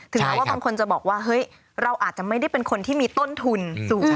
แม้ว่าบางคนจะบอกว่าเฮ้ยเราอาจจะไม่ได้เป็นคนที่มีต้นทุนสูง